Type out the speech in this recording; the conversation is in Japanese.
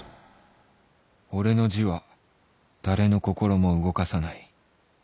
俺の字は誰の心も動かさない